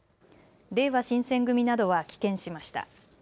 れいわ新選組などは棄権しました。